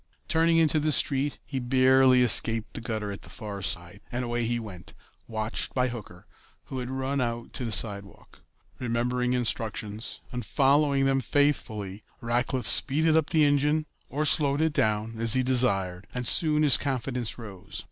Turning into the street, he barely escaped the gutter at the far side, and away he went, watched by Hooker, who had run out to the sidewalk. Remembering instructions, and following them faithfully, Rackliff speeded up the engine or slowed it down, as he desired, and soon his confidence rose.